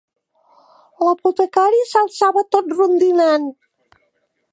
L'apotecari s'alçava tot rondinant